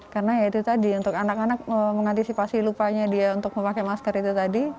karena ya itu tadi untuk anak anak mengantisipasi lupanya dia untuk memakai masker itu tadi